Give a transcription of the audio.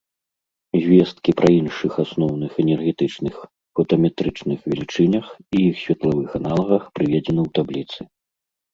Звесткі пра іншых асноўных энергетычных фотаметрычных велічынях і іх светлавых аналагах прыведзены ў табліцы.